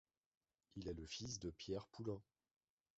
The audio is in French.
Il est le fils de Pierre Poullain.